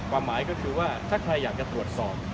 ความหมายก็คือว่าถ้าใครอยากจะตรวจสอบ